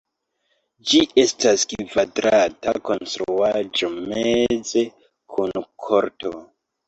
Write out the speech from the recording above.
Ĝi estas kvadrata konstruaĵo meze kun korto.